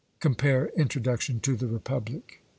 (Compare Introduction to the Republic.)